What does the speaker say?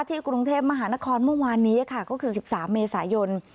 กรุงเทพมหานครเมื่อวานนี้ค่ะก็คือ๑๓เมษายน